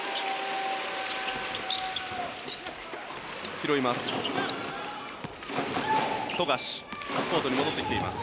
拾います。